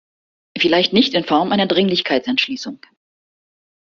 Vielleicht nicht in Form einer Dringlichkeitsentschließung.